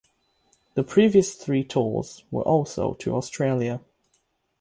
The previous three tours were also to Australia.